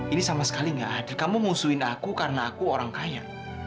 ini sama sekali gak adil kamu musuhin aku karena aku orang kaya